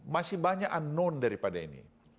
masih banyak unknown daripada ini